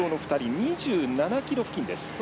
２７ｋｍ付近です。